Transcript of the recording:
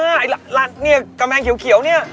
ไอล่านนี่กะแมงเขียวนี่